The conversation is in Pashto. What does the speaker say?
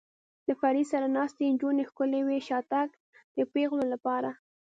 له فرید سره ناستې نجونې ښکلې وې، شاتګ د پېغلو لپاره.